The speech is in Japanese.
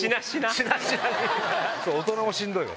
大人もしんどいわ。